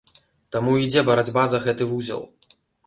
Таму і ідзе барацьба за гэты вузел.